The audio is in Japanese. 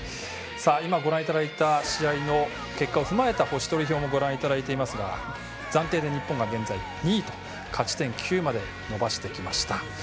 ご覧いただいた試合の結果を踏まえた星取り表もご覧いただいていますが暫定で日本が現在２位勝ち点９まで伸ばしてきました。